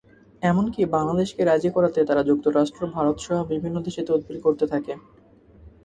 এমনকি বাংলাদেশকে রাজি করাতে তারা যুক্তরাষ্ট্র, ভারতসহ বিভিন্ন দেশে তদবির করতে থাকে।